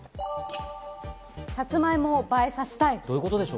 サツマイモを映えさせたい。